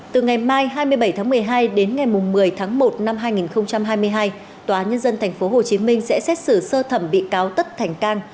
từ ngày mai hai mươi bảy tháng một mươi hai đến ngày một mươi tháng một năm hai nghìn hai mươi hai tòa nhân dân tp hcm sẽ xét xử sơ thẩm bị cáo tất thành cang